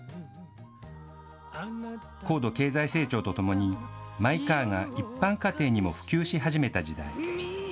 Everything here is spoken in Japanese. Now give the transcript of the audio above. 高度経済成長とともに、マイカーが一般家庭にも普及し始めた時代。